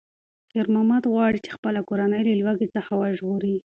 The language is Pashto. خیر محمد غواړي چې خپله کورنۍ له لوږې څخه وژغوري.